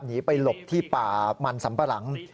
หนีไปหลบที่ป่ามันสัมปะหลัง